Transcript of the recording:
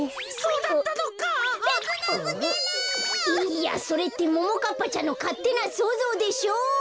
いいやそれってももかっぱちゃんのかってなそうぞうでしょ！